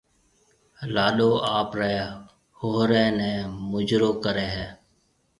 لاڏو آپريَ ھوھرَي نيَ مُجرو ڪرَي ھيََََ